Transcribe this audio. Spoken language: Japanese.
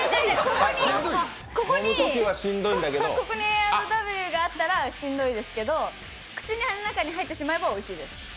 ここにＡ＆Ｗがあったらしんどいですけど口の中に入ってしまえばおいしいです。